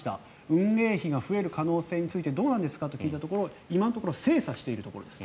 運営費が増える可能性についてどうなんですかと聞いたところ今のところ精査しているところです。